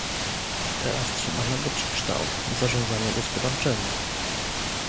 Trzeba teraz nadać kształt zarządzaniu gospodarczemu